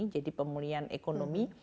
jadi pemulihan ekonomi